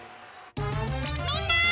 みんな！